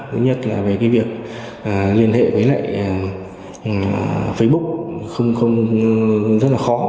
thứ nhất là về việc liên hệ với facebook rất là khó